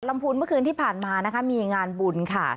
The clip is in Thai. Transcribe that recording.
พุนเมื่อคืนที่ผ่านมานะคะมีงานบุญค่ะ